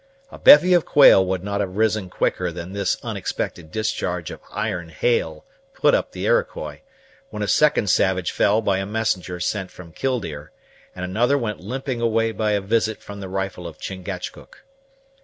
A bevy of quail would not have risen quicker than this unexpected discharge of iron hail put up the Iroquois; when a second savage fell by a messenger sent from Killdeer, and another went limping away by a visit from the rifle of Chingachgook.